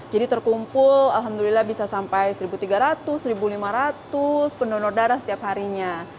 jadi terkumpul alhamdulillah bisa sampai satu tiga ratus satu lima ratus pendonor darah setiap harinya